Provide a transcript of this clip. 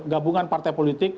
gabungan partai politik